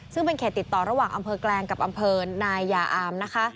ซึ่งเป็นเขตติดต่อระหว่างอำเภอแกลงกับอำเภอนายยาอามนะคะ